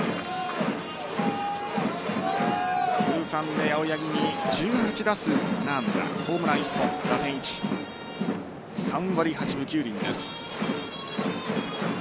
通算で青柳に１８打数７安打ホームラン１本、打点１３割８分９厘です。